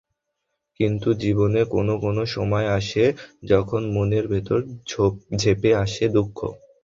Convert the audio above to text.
কিন্তু জীবনে কোনো কোনো সময় আসে, যখন মনের ভেতর ঝেঁপে আসে দুঃখ।